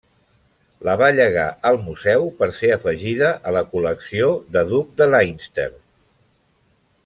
La va llegar al museu per ser afegida a la col·lecció de Duc de Leinster.